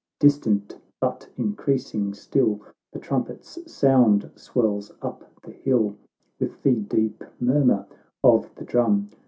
— distant, but increasing still, The trumpet's sound swells up the hill, With the deep murmur of the drum.